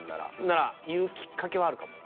なら言うきっかけはあるかもな。